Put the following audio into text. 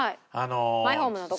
マイホームのとこ？